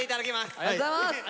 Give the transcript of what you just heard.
ありがとうございます！